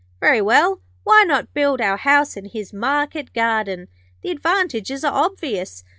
Very well. Why not build our house in his market garden. The advantages are obvious.